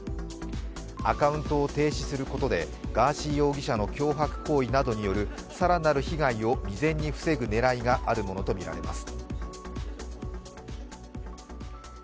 アカウントを停止することでガーシー容疑者の脅迫行為などによる更なる被害を未然に防ぐ狙いがあるものとみられます。